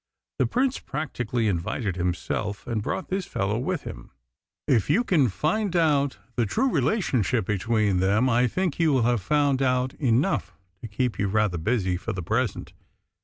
The Prince practically invited himself, and brought this fellow with him. If you can find out the true relationship between them I think you will have found out enough to keep you rather busy for the present.